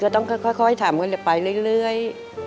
ก็ต้องค่อยทำกันไปเรื่อย